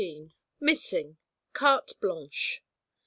MISSING CARTE BLANCHE.